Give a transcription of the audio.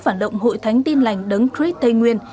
phản động hội thánh tin lành đấng trích tây nguyên